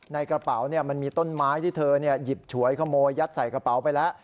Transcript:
ในกระเป๋ามันมีต้นไม้ที่เธอหยิบฉวยขโมยยัดใส่กระเป๋าไปแล้ว